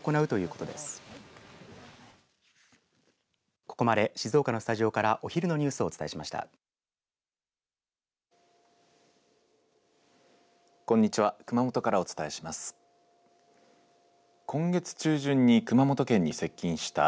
ここまで静岡のスタジオからお昼のニュースをお伝えしました。